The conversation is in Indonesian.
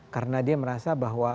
karena dia merasa bahwa